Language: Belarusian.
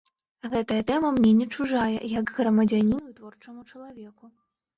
Гэтая тэма мне не чужая, як грамадзяніну і творчаму чалавеку.